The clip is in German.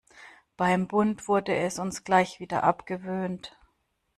Beim Bund wurde es uns gleich wieder abgewöhnt.